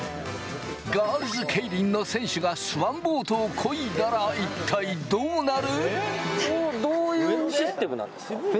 ガールズケイリンの選手がスワンボートをこいだら、一体どうなる？